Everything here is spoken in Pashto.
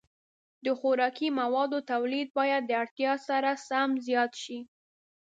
د خوراکي موادو تولید باید د اړتیا سره سم زیات شي.